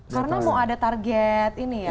karena mau ada target ini ya